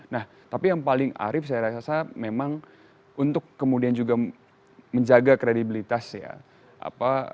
nah tapi yang paling arif saya rasa memang untuk kemudian juga menjaga kredibilitas ya